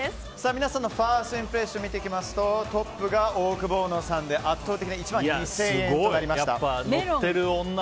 皆さんのファーストインプレッショントップがオオクボーノさんで圧倒的な１万２０００円となりました。